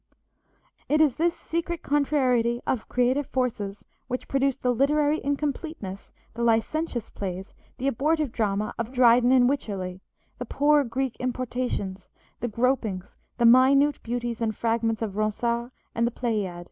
It is this secret contrariety of creative forces which produced the literary incompleteness, the licentious plays, the abortive drama of Dryden and Wycherly, the poor Greek importations, the gropings, the minute beauties and fragments of Ronsard and the Pleiad.